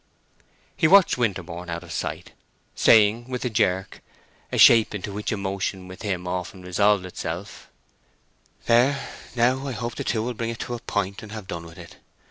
He watched Winterborne out of sight, saying, with a jerk—a shape into which emotion with him often resolved itself—"There, now, I hope the two will bring it to a point and have done with it!